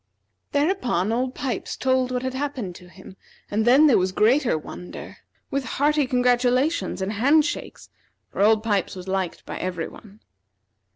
Thereupon, Old Pipes told what had happened to him, and then there was greater wonder, with hearty congratulations and hand shakes; for Old Pipes was liked by every one.